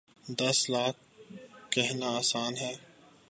دس لاکھ کہنا آسان ہے۔